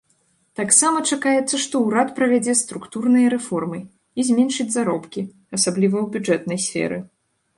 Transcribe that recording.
Таксама чакаецца, што ўрад правядзе структурныя рэформы і зменшыць заробкі, асабліва ў бюджэтнай сферы.